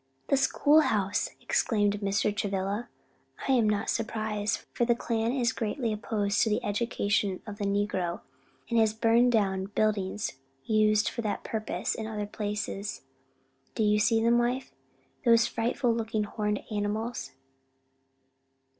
"The school house!" exclaimed Mr. Travilla. "I am not surprised; for the Klan is greatly opposed to the education of the negro, and has burned down buildings used for that purpose in other places. Do you see them, wife? those frightful looking horned animals."